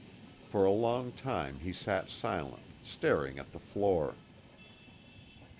For a long time he sat silent, staring at the floor.